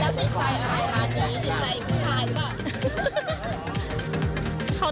แล้วดินใจในร้านนี้ดินใจอีกผู้ชายหรือเปล่า